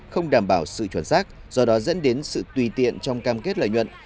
không đảm bảo sự chuẩn xác do đó dẫn đến sự tùy tiện trong cam kết lợi nhuận